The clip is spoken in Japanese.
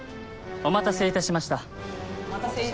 お待たせいたしました。